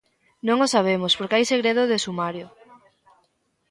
Non o sabemos, porque hai segredo de sumario.